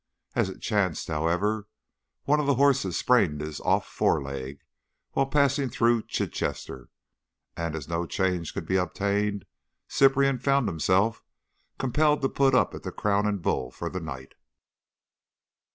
As it chanced, however, one of the horses sprained his off foreleg while passing through Chichester, and as no change could be obtained, Cyprian found himself compelled to put up at the Crown and Bull for the night.